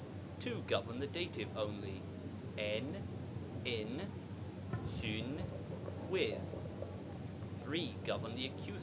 Two govern the Dat. only : iv, in ; 6vvy with. Three govern the Accus.